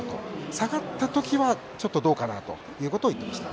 下がった時はちょっとどうかなということを言っていました。